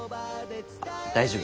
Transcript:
大丈夫。